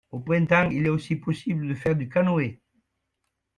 Au printemps, il est aussi possible de faire du canoë.